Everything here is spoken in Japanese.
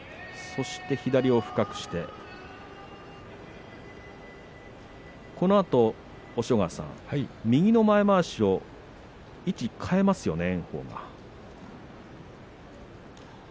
そして左を深くしてこのあと、押尾川さん右の前まわし位置を変えますよね